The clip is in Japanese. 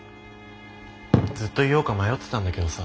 ずっと言おうか迷ってたんだけどさ。